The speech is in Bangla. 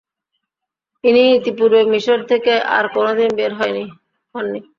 তিনি ইতিপূর্বে মিসর থেকে আর কোনদিন বের হননি।